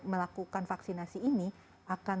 melakukan vaksinasi ini akan